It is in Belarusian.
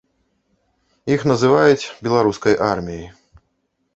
Іх называюць беларускай арміяй.